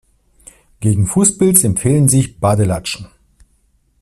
Gegen Fußpilz empfehlen sich Badelatschen.